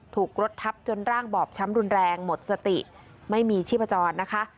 ถูกรถทับจนร่างบอบช้ำรุนแรงหมดสติไม่มีชีพจรนะคะ